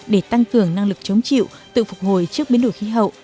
để tăng cường năng lực chống chịu tự phục hồi trước biến đổi khí hậu